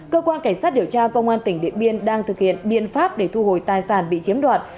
cơ quan cảnh sát điều tra công an tỉnh điện biên đang thực hiện biện pháp để thu hồi tài sản bị chiếm đoạt